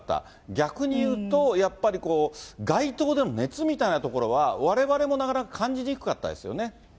逆に言うと、やっぱり街頭での熱みたいなものは、われわれもなかなか感じにくかったですね。